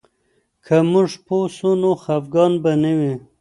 که موږ پوه سو، نو خفګان به نه وي.